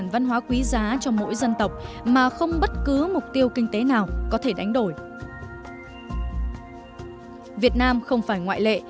việt nam không phải ngoại lệ